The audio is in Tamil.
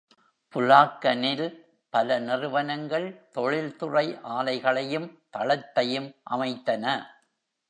புலாக்கனில் பல நிறுவனங்கள் தொழில்துறை ஆலைகளையும் தளத்தையும் அமைத்தன.